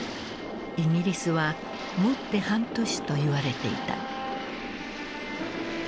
イギリスはもって半年といわれていた。